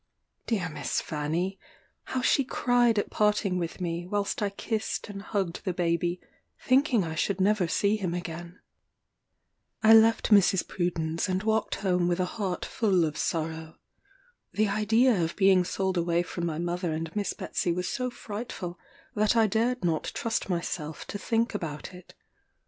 Dear Miss Fanny! how she cried at parting with me, whilst I kissed and hugged the baby, thinking I should never see him again. I left Mrs. Pruden's, and walked home with a heart full of sorrow. The idea of being sold away from my mother and Miss Betsey was so frightful, that I dared not trust myself to think about it.